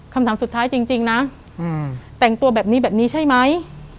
คำถามสุดท้ายจริงนะแต่งตัวแบบนี้แบบนี้ใช่ไหม